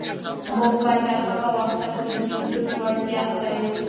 موږ به تر هغه وخته پورې د نجونو وړتیا ستایو.